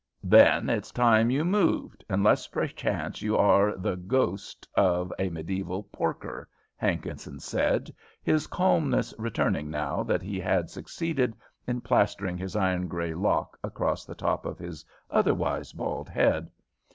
"Then it's time you moved, unless perchance you are the ghost of a mediaeval porker," Hankinson said, his calmness returning now that he had succeeded in plastering his iron gray lock across the top of his otherwise bald head.